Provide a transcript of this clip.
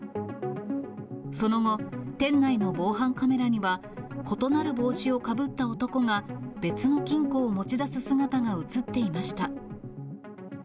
その後、店内の防犯カメラには、異なる帽子をかぶった男が別の金庫を持ち出す姿が写っていました。